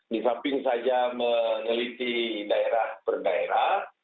di samping saja meneliti daerah per daerah